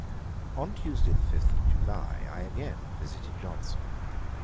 On Tuesday the 5th of July, I again visited Johnson.